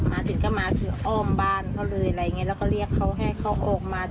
เสร็จก็มาคืออ้อมบ้านเขาเลยอะไรอย่างเงี้แล้วก็เรียกเขาให้เขาออกมา